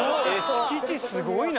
敷地すごいな。